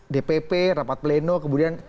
dpp rapat pleno kemudian